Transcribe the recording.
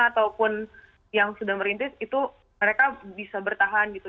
ataupun yang sudah merintis itu mereka bisa bertahan gitu